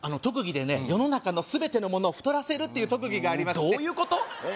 特技で世の中の全てのものを太らせるっていう特技がどういうこと？